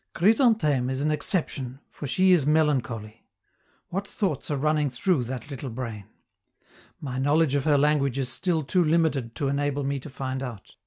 Chrysantheme is an exception, for she is melancholy. What thoughts are running through that little brain? My knowledge of her language is still too limited to enable me to find out.